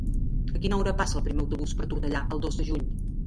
A quina hora passa el primer autobús per Tortellà el dos de juny?